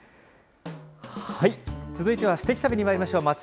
続いてはすてき旅にまいりましょう。